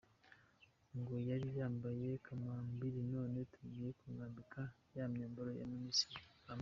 Ngo yari yambaye kambabili, none tugiye kumwambika ya myambaro ba Ministre bambara.